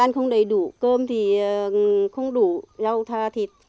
không đủ rau thà thịt